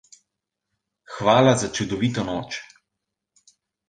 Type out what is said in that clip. Hvala za čudovito noč.